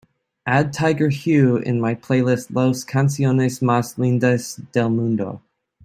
add tiger hu in my playlist Las Canciones Más Lindas Del Mundo